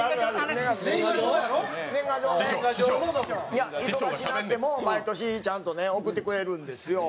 いや忙しなっても毎年ちゃんとね送ってくれるんですよ。